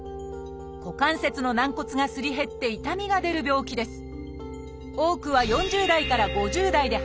股関節の軟骨がすり減って痛みが出る病気です。